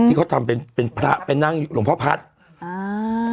ที่เขาทำเป็นพระไปนั่งอยู่ลองพระพัทธิ์